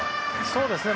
そうですね。